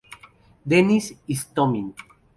Denis Istomin